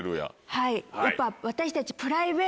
はいやっぱ私たち。